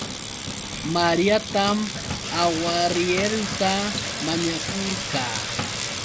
Mariatam awhariieruta mañakurqaa